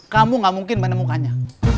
kamu gak mungkin menemukannya